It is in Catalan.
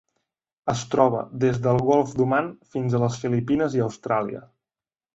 Es troba des del Golf d'Oman fins a les Filipines i Austràlia.